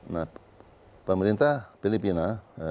nah pemerintah filipina